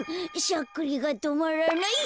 しゃっくりがとまらない。